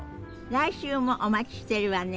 来週もお待ちしてるわね。